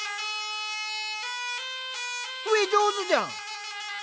笛上手じゃん。